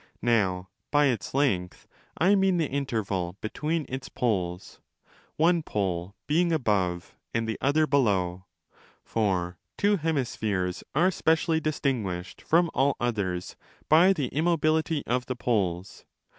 Now by its length I mean the interval between its poles, one pole being above and the other below; for two hemispheres are specially distinguished from all others by the immobility of the poles!